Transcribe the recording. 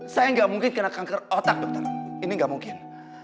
saya nggak mungkin kena kanker otak dokter ini gak mungkin